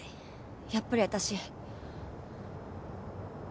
やっぱり私。